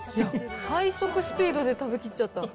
最速スピードで食べきっちゃった。